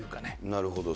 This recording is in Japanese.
なるほど。